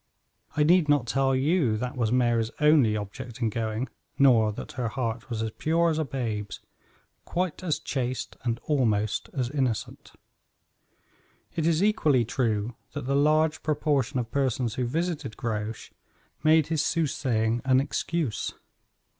I need not tell you that was Mary's only object in going, nor that her heart was as pure as a babe's quite as chaste and almost as innocent. It is equally true that the large proportion of persons who visited Grouche made his soothsaying an excuse.